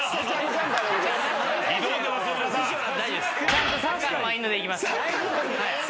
ちゃんとサッカーのマインドでいきます。